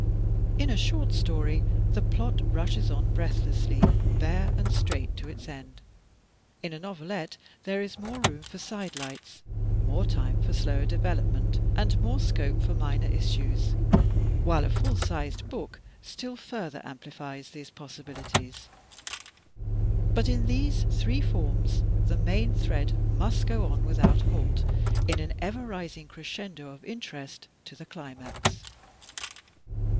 In a short story the plot rushes on breathlessly, bare and straight to its end. In a novelette there is more room for sidelights, more time for slower development, and more scope for minor issues; while a full sized book still further amplifies these possibilities. But in these three forms the main thread must go on, without halt, in an ever rising crescendo of interest to the climax.